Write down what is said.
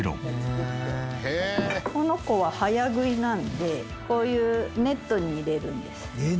この子は早食いなのでこういうネットに入れるんです。